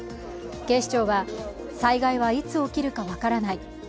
警視庁は災害はいつ起きるか分からない。